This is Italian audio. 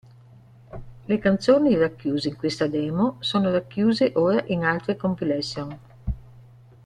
Le canzoni racchiuse in questa demo sono racchiuse ora in altre compilation.